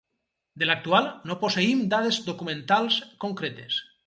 De l'actual, no posseïm dades documentals concretes.